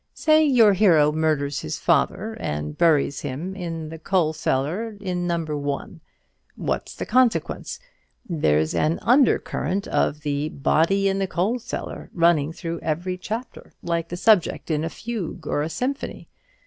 Say your hero murders his father, and buries him in the coal cellar in No. 1. What's the consequence? There's an undercurrent of the body in the coal cellar running through every chapter, like the subject in a fugue or a symphony.